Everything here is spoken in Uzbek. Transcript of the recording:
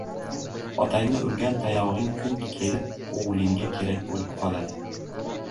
• Otangni urgan tayog‘ing kun kelib o‘g‘lingga kerak bo‘lib qoladi.